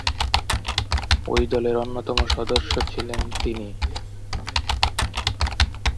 ঐ দলের অন্যতম সদস্য ছিলেন তিনি।